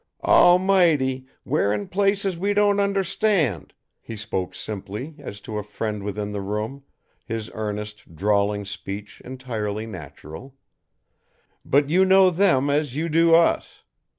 "Almighty, we're in places we don't understand," he spoke simply as to a friend within the room, his earnest, drawling speech entirely natural. "But You know them as You do us.